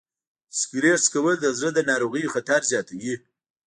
سګریټ څکول د زړه د ناروغیو خطر زیاتوي.